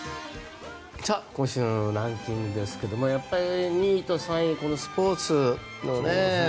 今週のランキングですがやっぱり２位と３位スポーツのね